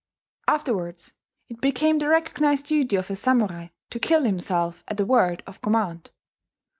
Afterwards it became the recognized duty of a samurai to kill himself at the word of command.